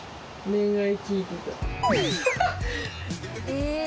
え。